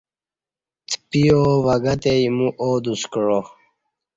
تپی آو وگہ تے ایمو آدوس کعا